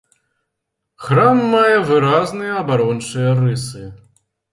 Храм мае выразныя абарончыя рысы.